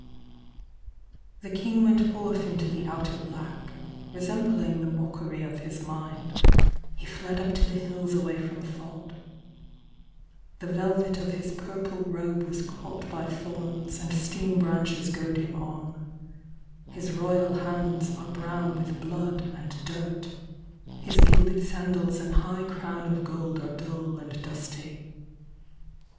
The King went forth into the outer black, Resembling the mockery of his mind, He fled up to the hills away from thought. The velvet of his purple robe was caught By thorns, and stinging branches goad him on. His royal hands are brown with blood and dirt ; 53 Nebuchadnezzar tin King. I lis gilded sandals and high crown of gold \te dull and dusty.